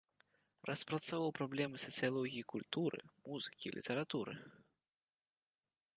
Распрацоўваў праблемы сацыялогіі культуры, музыкі і літаратуры.